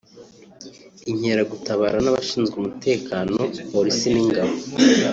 Inkeragutabara n’abashinzwe umutekano (polisi n’ingabo)